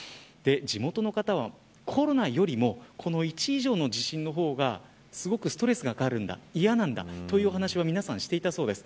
地元の方は、コロナよりもこの１以上の地震の方がすごくストレスがかかって嫌なんだという話を皆さん、していたそうです。